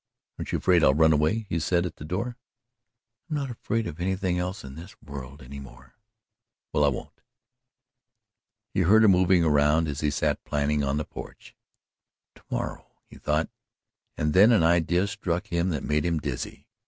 "Aren't you afraid I'll run away?" he said at the door. "I'm not afraid of anything else in this world any more." "Well, I won't." He heard her moving around as he sat planning on the porch. "To morrow," he thought, and then an idea struck him that made him dizzy.